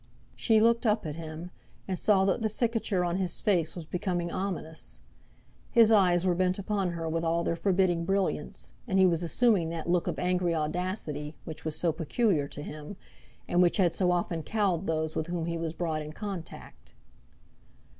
She looked up at him, and saw that the cicature on his face was becoming ominous; his eyes were bent upon her with all their forbidding brilliance, and he was assuming that look of angry audacity which was so peculiar to him, and which had so often cowed those with whom he was brought in contact.